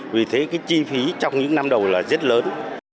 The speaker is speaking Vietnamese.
vì thế cái chi phí trong những năm đầu là rất lớn